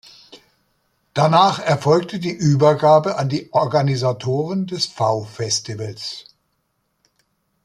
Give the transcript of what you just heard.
Danach erfolgte die Übergabe an die Organisatoren des V-Festivals.